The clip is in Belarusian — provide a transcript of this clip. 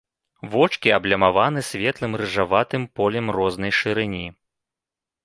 Вочкі аблямаваны светлым рыжаватым полем рознай шырыні.